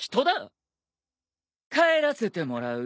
帰らせてもらう。